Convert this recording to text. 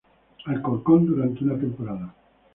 Alcorcón durante una temporada.